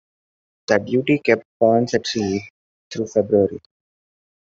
That duty kept "Ponce" at sea through February.